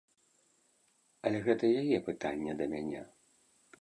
Але гэта яе пытанне да мяне.